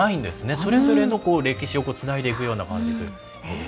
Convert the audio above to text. それぞれの歴史をつないでいくような感じで。